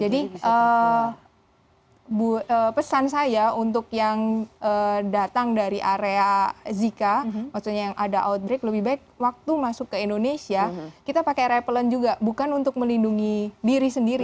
pesan saya untuk yang datang dari area zika maksudnya yang ada outbreak lebih baik waktu masuk ke indonesia kita pakai rapelan juga bukan untuk melindungi diri sendiri